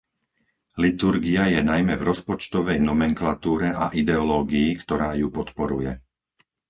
Liturgia je najmä v rozpočtovej nomenklatúre a ideológii, ktorá ju podporuje.